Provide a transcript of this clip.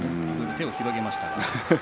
手を広げましたね。